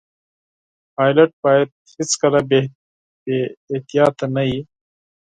پیلوټ باید هیڅکله بې احتیاطه نه وي.